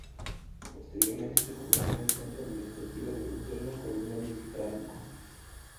Posteriormente se convirtió en el centro administrativo del gobierno colonial británico.